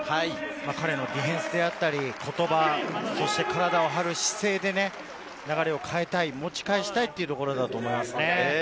彼のディフェンスであったり、言葉、そして体を張る姿勢で流れを変えたい、持ち返したいというところだと思います。